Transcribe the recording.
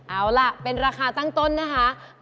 เอาล่ะเป็นราคาตั้งต้นนะคะ